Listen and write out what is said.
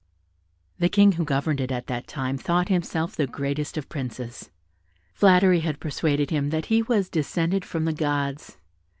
The King who governed it at that time thought himself the greatest of princes. Flattery had persuaded him that he was descended from the gods.